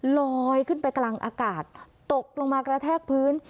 ลอยขึ้นไปกลางอากาศตกลงมากระแทกพื้น